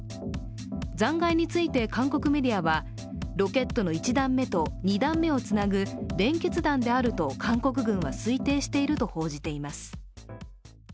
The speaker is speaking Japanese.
残骸について韓国メディアは、ロケットの１段目と２段目をつなぐ連結段であると韓国軍は推定していると報じています。